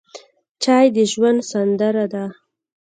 چای د ژوند سندره ده.